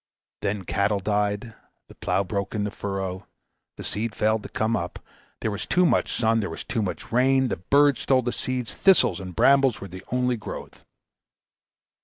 Then the cattle died, the plough broke in the furrow, the seed failed to come up; there was too much sun, there was too much rain; the birds stole the seeds thistles and brambles were the only growth.